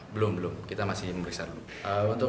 belum belum kita masih memeriksa dulu